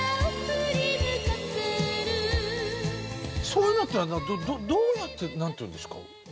そういうのってどうやって何て言うんですか？